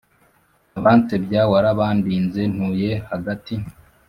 Abansebya warabandinze ntuye hagati